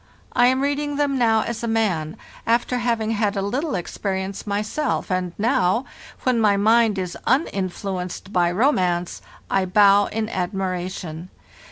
I am reading them now as a man, after having had a little experience myself; and now, when my mind is uninfluenced by romance, I bow in admiration.